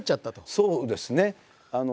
そうですね。